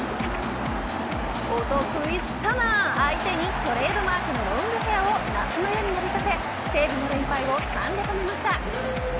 お得意ＳＵＭＭＥＲ相手にトレードマークのロングヘアを夏の夜になびかせ西武の連敗を３で止めました。